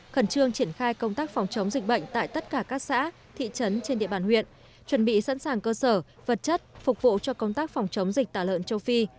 khẩn trương triển khai công tác phòng chống dịch bệnh tại tất cả các xã thị trấn trên địa bàn huyện chuẩn bị sẵn sàng cơ sở vật chất phục vụ cho công tác phòng chống dịch tả lợn châu phi